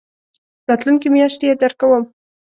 راتلونکې میاشت يي درکوم